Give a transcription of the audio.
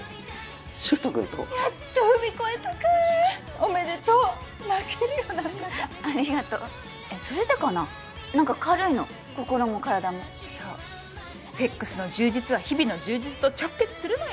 柊人君と？やっと踏み越えたかおめでとう泣けるよ何だかありがとうえっそれでかな何か軽いの心も体もそうセックスの充実は日々の充実と直結するのよ